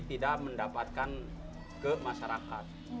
tidak mendapatkan ke masyarakat